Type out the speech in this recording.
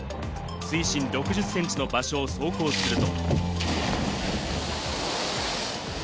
水深６０センチの場所を走行すると。